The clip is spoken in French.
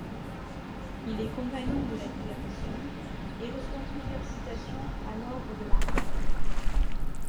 Il est compagnon de la Libération et reçoit plusieurs citations à l'ordre de l'armée.